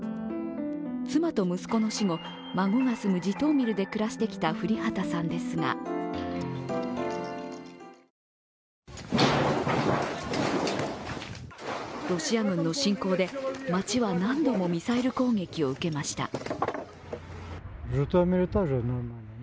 妻と息子の死後、孫が住むジトーミルで暮らしてきた降旗さんですがロシア軍の侵攻で町は何度もミサイル攻撃を受けました。